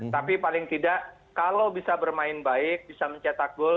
tapi paling tidak kalau bisa bermain baik bisa mencetak gol